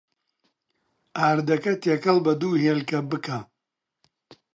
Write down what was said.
ئاردەکە تێکەڵ بە دوو هێلکە بکە.